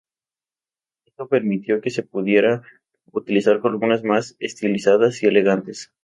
Esto permitió que se pudieran utilizar columnas más estilizadas y elegantes.